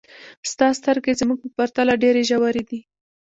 ستا سترګې زموږ په پرتله ډېرې ژورې دي.